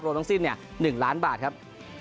โรงต้องสิ้น๑ล้านบาทครับ